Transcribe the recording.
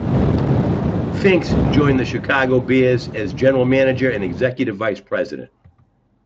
Finks joined the Chicago Bears, as general manager and executive vice-president.